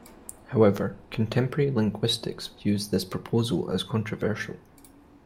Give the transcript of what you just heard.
However, contemporary linguistics views this proposal as controversial.